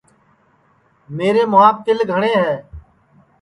میرے مُھواپ تیل گھٹؔے ہے